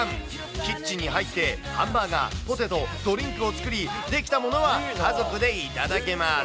キッチンに入ってハンバーガー、ポテト、ドリンクを作り、出来たものは家族で頂けます。